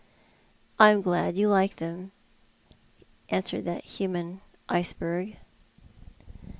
" I'm glad you like them," answered that human iceberg.